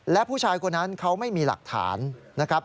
และผู้ชายคนนั้นเขาไม่มีหลักฐานนะครับ